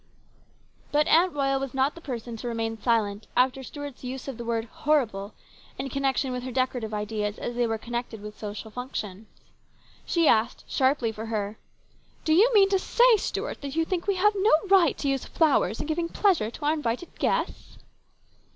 But Aunt Royal was not the person to remain silent after Stuart's use of the word "horrible" in connection with her decorative ideas as they were connected with social functions. She asked, sharply for her :" Do you mean to say, Stuart, that you think we have no right to use flowers in giving pleasure to our invited guests